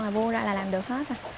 rồi buông ra là làm được hết